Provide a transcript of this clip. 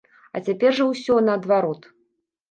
А цяпер жа ўсё наадварот.